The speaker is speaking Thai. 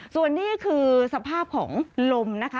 ส่วนนี้คือสภาพของลมนะคะ